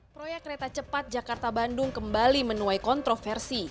proyek kereta cepat jakarta bandung kembali menuai kontroversi